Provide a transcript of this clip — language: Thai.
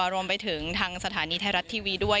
รวมไปถึงทางสถานีไทยรัฐทีวีด้วย